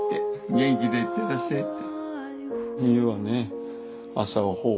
元気でいってらっしゃいって。